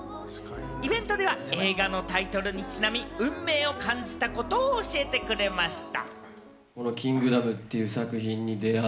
イベントでは映画のタイトルにちなみ、運命を感じたことを教えてくれました。